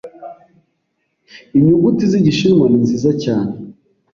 Inyuguti z'igishinwa ni nziza cyane.